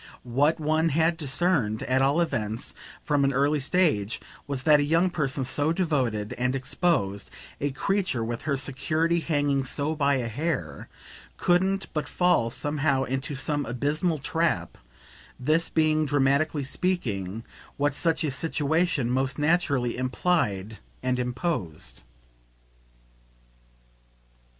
What one had discerned, at all events, from an early stage, was that a young person so devoted and exposed, a creature with her security hanging so by a hair, couldn't but fall somehow into some abysmal trap this being, dramatically speaking, what such a situation most naturally implied and imposed.